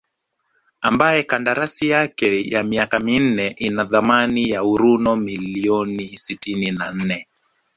ambaye kandarasi yake ya miaka minne ina thamani ya uro milioni sitini na nne